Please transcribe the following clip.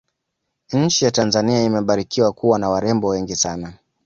nchi ya tanzania imebarikiwa kuwa na warembo wengi sana